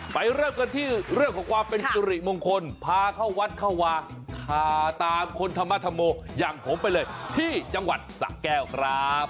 เริ่มกันที่เรื่องของความเป็นสุริมงคลพาเข้าวัดเข้าวาพาตามคนธรรมธรโมอย่างผมไปเลยที่จังหวัดสะแก้วครับ